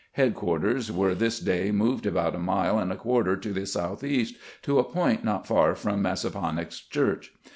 Headquarters were this day moved about a mile and a quarter to the southeast, to a point not far from Mas saponax Church.